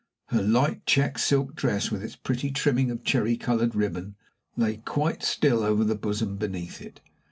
Her light checked silk dress, with its pretty trimming of cherry colored ribbon, lay quite still over the bosom beneath it.